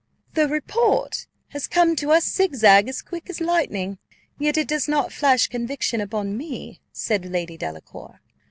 "The report has come to us zigzag as quick as lightning, yet it does not flash conviction upon me," said Lady Delacour.